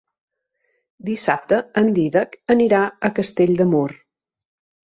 Dissabte en Dídac anirà a Castell de Mur.